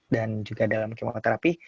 dan juga dalam kemoterapi